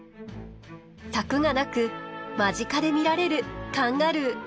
柵がなく間近で見られるカンガルー。